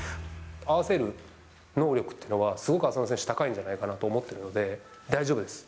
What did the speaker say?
合わせる能力っていうのは、すごく浅野選手、高いんじゃないかなと思ってるので、大丈夫です。